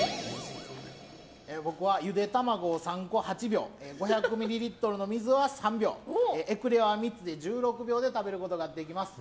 僕は、ゆで卵を３個８秒５００ミリリットルの水は３秒エクレアは３つで１６秒で食べることができます。